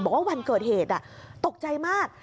บอกว่าวันเกิดเหตุตกใจมาก